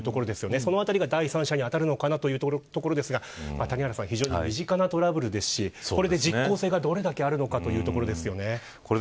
そのあたりが第三者に当たるのかというところですが非常に身近なトラブルですしこれで実効性がどれだけあるのかということです。